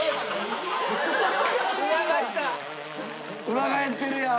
裏返ってるやん。